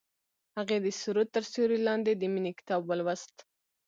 هغې د سرود تر سیوري لاندې د مینې کتاب ولوست.